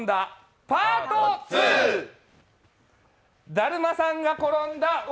だるまさんが転んだ。